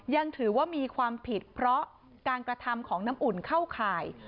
ยังถือว่ามีความผิดเพราะการกระทำของน้ำอุ่นเข้าข่าย